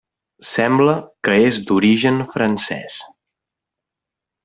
Sembla que és d'origen francès.